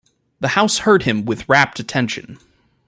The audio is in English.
The house heard him with rapt attention.